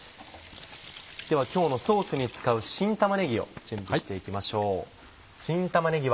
では今日のソースに使う新玉ねぎを準備していきましょう。